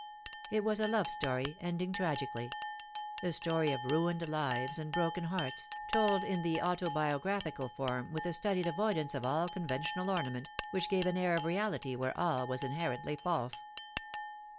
It was a love story, ending tragically ; a story of ruined lives and broken hearts, told in the autobiographical form, with a studied avoid ance of all conventional ornament, which gave an air of reality where all was inherently false.